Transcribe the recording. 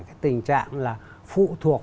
cái tình trạng là phụ thuộc